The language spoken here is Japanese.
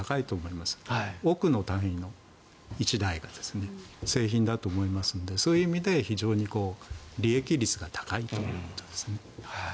１台が億の単位の製品だと思いますのでそういう意味で非常に利益率が高いということですね。